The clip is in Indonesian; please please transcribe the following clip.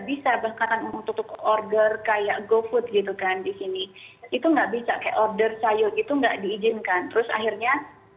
bisa bahkan untuk order kayak go put gitu kan di sini itu nggak bisa kayak order sayur itu nggak diizinkan terus akhirnya